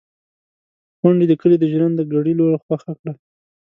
کونډې د کلي د ژرنده ګړي لور خوښه کړه.